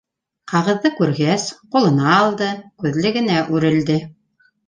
Ҡағыҙҙы күргәс, ҡулына алды, күҙлегенә үрелде.